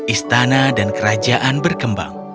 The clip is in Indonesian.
istana dan kerajaan berkembang